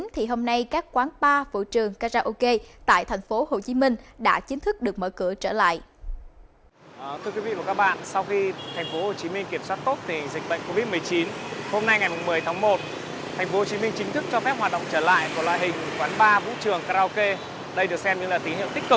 thì hôm nay các quán bar vũ trường karaoke tại tp hcm đã chính thức được mở cửa trở lại